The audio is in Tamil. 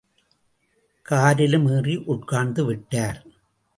காரிலும் ஏறி உட்கார்ந்து விட்டார்.